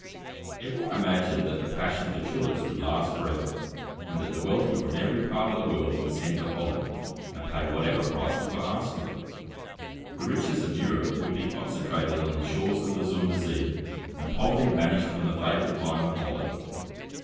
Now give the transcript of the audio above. Every one imagined that the passion for tulips would last for ever, and that the wealthy from every part of the world would send to Holland, and pay whatever prices were asked for them. The riches of Europe would be concentrated on the shores of the Zuyder Zee, and poverty banished from the favoured clime of Holland.